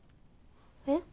えっ？